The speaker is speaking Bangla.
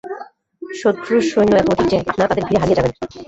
শত্রুর সৈন্য এত অধিক যে, আপনারা তাদের ভীড়ে হারিয়ে যাবেন।